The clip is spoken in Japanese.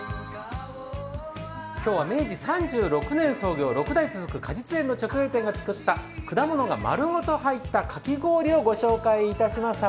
今日は明治３６年創業、６代続く果実園の直営店が作った、果物がまるごと入ったかき氷をご紹介いたしました。